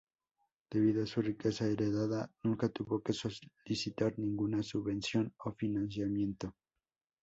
Debido a su riqueza heredada, nunca tuvo que solicitar ninguna subvención o financiamiento.